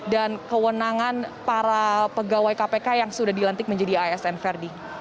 dan kewenangan para pegawai kpk yang sudah dilantik menjadi asn verdi